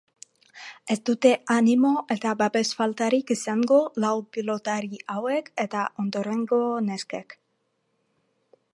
Ez dute animo eta babes faltarik izango lau pilotari hauek eta ondorengo neskek.